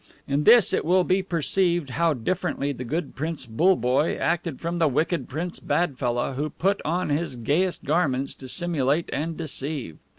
In this it will be perceived how differently the good Prince BULLEBOYE acted from the wicked Prince BADFELLAH, who put on his gayest garments to simulate and deceive.